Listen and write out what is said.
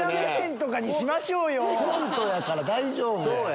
コントやから大丈夫や。